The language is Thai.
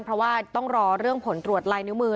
เพราะว่าต้องรอเรื่องผลตรวจลายนิ้วมือ